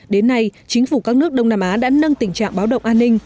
đến nay chính phủ các nước đông nam á đã nâng tình trạng báo động an ninh